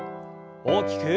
大きく。